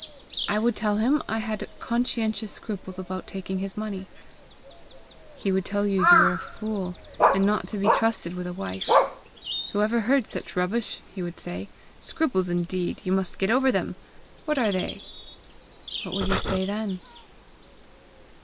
"I would tell him I had conscientious scruples about taking his money." "He would tell you you were a fool, and not to be trusted with a wife. 'Who ever heard such rubbish!' he would say. 'Scruples, indeed! You must get over them! What are they?' What would you say then?"